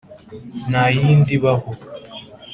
Nta yindi ibaho.